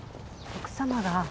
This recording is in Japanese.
奥様が。